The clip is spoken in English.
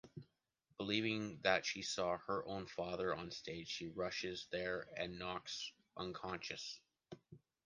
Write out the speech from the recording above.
Believing that she saw her own father on stage, she rushes there and knocks unconscious.